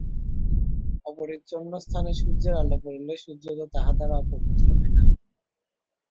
অপরিচ্ছন্ন স্থানে সূর্যের আলোক পড়িলে সূর্য তো তাহা দ্বারা অপবিত্র হয় না।